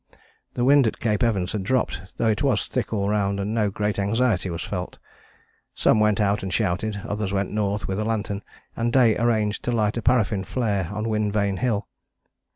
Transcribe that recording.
The wind at Cape Evans had dropped though it was thick all round, and no great anxiety was felt: some went out and shouted, others went north with a lantern, and Day arranged to light a paraffin flare on Wind Vane Hill.